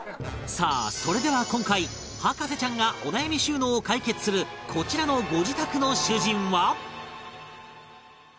さあそれでは今回博士ちゃんがお悩み収納を解決するこちらのご自宅の主人は？